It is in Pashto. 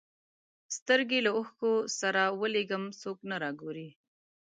سترګي له اوښکو سره ولېږم څوک نه را ګوري